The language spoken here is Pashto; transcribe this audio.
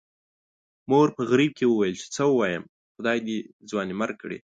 مور په غريو کې وويل چې څه ووايم، خدای دې ځوانيمرګ کړي.